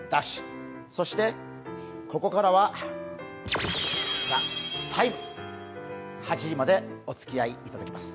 そしてここからは「ＴＨＥＴＩＭＥ，」、８時までおつきあいいただきます。